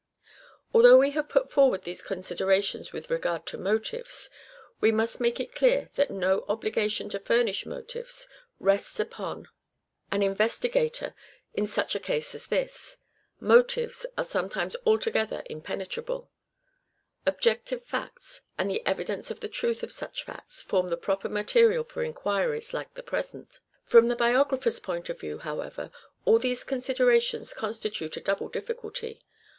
Although we have put forward these considerations with regard to motives, we must make it clear that no obligation to furnish motives rests upon an investi gator in such a case as this. Motives are sometimes altogether impenetrable. Objective facts, and the evidence for the truth of such facts, form the proper material for enquiries like the present. RECORDS OF EDWARD DE VERE 215 From the biographer's point of view, however, all Th? shadow these considerations constitute a double difficulty.